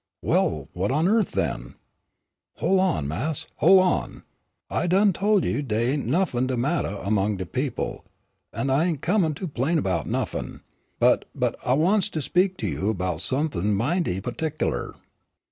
"Well, what on earth then " "Hol' on, Mas', hol' on! I done tol' you dey ain' nuffin' de mattah 'mong de people, an' I ain' come to 'plain 'bout nuffin'; but but I wants to speak to you 'bout somefin' mighty partic'ler."